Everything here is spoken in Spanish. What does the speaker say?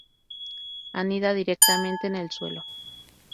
Anida directamente en el suelo.